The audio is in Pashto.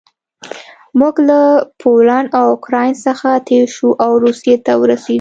موږ له پولنډ او اوکراین څخه تېر شوو او روسیې ته ورسېدو